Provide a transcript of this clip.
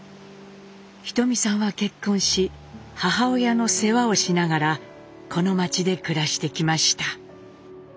ひとみさんは結婚し母親の世話をしながらこの町で暮らしてきました。